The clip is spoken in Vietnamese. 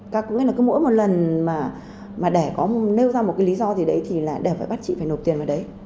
các nghĩa là cứ mỗi một lần mà để có nêu ra một cái lý do gì đấy thì là đều phải bắt chị phải nộp tiền vào đấy